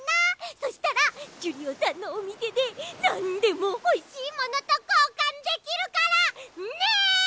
そしたらキュリオさんのおみせでなんでもほしいものとこうかんできるからね！